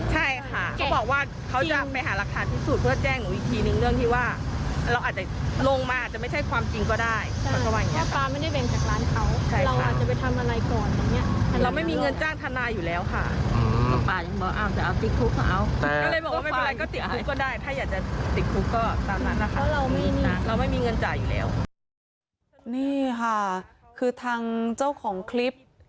ใช่ค่ะเขาบอกว่าเขาจะไปหารักษาพิสูจน์เพื่อแจ้งหนูอีกทีนึง